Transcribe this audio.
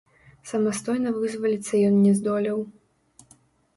Самастойна вызваліцца ён не здолеў.